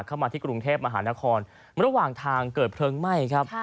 เข้ามาที่กรุงเทพมหานครระหว่างทางเกิดเพลิงไหม้ครับ